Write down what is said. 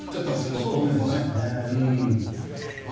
六本木も。